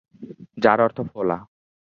যার অর্থ ফোলা।